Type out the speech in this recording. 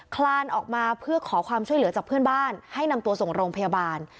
คลานออกมาเพื่อขอความช่วยเหลือจากเพื่อนบ้านให้นำตัวส่งโรงพยาบาล